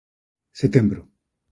Setembro